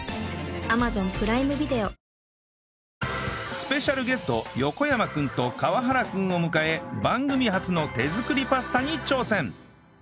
スペシャルゲスト横山君と川原君を迎え番組初の手作りパスタに挑戦